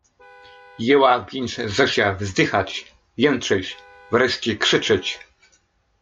Jęła więc Zosia wzdychać, jęczeć, wreszcie krzyczeć.